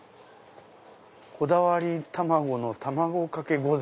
こだわり卵の卵かけご膳。